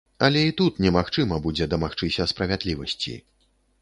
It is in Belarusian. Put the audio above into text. Але і тут немагчыма будзе дамагчыся справядлівасці.